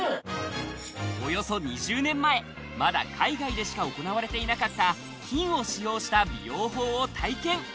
およそ２０年前、まだ海外でしか行われていなかった金を使用した美容法を体験。